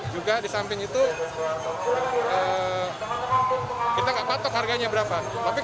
juga di samping itu kita nggak patok harganya berapa